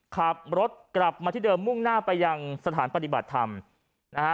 ขับรถกลับมาที่เดิมมุ่งหน้าไปยังสถานปฏิบัติธรรมนะฮะ